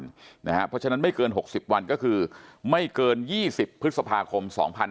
เพราะฉะนั้นไม่เกิน๖๐วันก็คือไม่เกิน๒๐พฤษภาคม๒๕๖๒